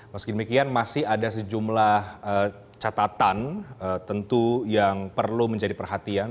meski demikian masih ada sejumlah catatan tentu yang perlu menjadi perhatian